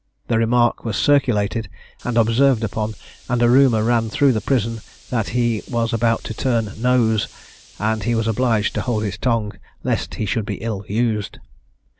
The remark was circulated and observed upon, and a rumour ran through the prison that he was about to turn "nose" and he was obliged to hold his tongue, lest he should be ill used.